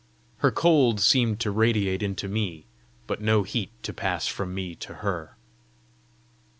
Her cold seemed to radiate into me, but no heat to pass from me to her.